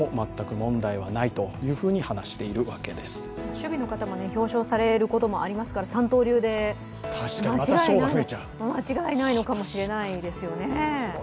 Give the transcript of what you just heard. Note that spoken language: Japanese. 守備の方も表彰されることもありますから三刀流で間違いないのかもしれないですよね。